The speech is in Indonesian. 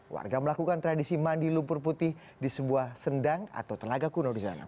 warga melakukan tradisi mandi lumpur putih di sebuah sendang atau telaga kuno di sana